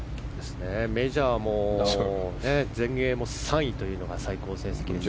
メジャーも全英も３位というのが最高成績。